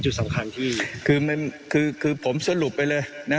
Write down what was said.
จุดสำคัญที่คือผมสรุปไปเลยนะ